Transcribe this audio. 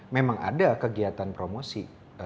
memang ada kegiatan promosi